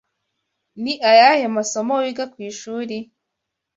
Ni ayahe masomo wiga ku ishuri?